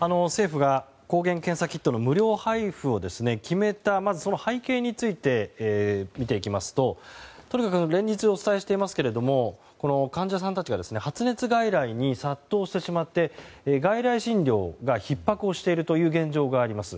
政府が抗原検査キットの無料配布を決めたその背景についてまず見ていきますととにかく連日、お伝えしていますが患者さんたちが発熱外来に殺到してしまって外来診療がひっ迫しているという現状があります。